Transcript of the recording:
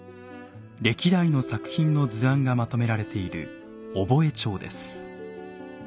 歴代の作品の図案がまとめられている憶帳です。